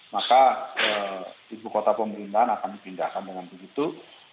maka ibu kota pemerintahan akan dipindahkan dengan begitu